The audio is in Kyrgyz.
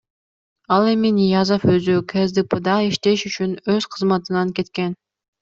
Ал эми Ниязов өзү КСДПда иштеш үчүн өз кызматынан кеткен.